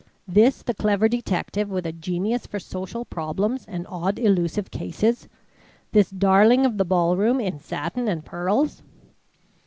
This the clever detective, with a genius for social problems and odd elusive cases! This darling of the ball room in satin and pearls!